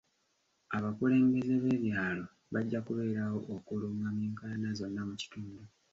Abakulembeze b'ebyalo bajja kubeerawo okulungamya enkaayana zonna mu kitundu.